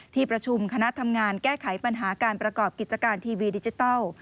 ที่ประชุมคณะทำงานแก้ไขปัญหาการประกอบกิจการทีวีดิจิทัล